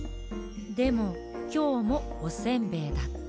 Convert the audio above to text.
でもきょうもおせんべいだった。